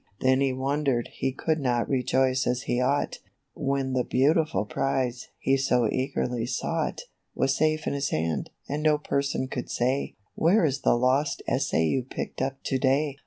Then he wondered he could not rejoice as he ought, When the beautiful prize, he so eagerly sought, Was safe in his hand, and no person could say/ " ^here is the lost essay you picked up to day